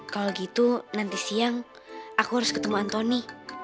kalau gitu nanti siang aku harus ketemu anthony